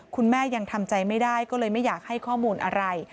คุณแม่ยังทำใจไม่ได้ก็เลยไม่อยากให้ข้อมูลอะไร